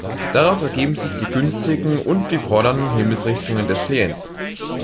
Daraus ergeben sich die günstigen und die fordernden Himmelsrichtungen des Klienten.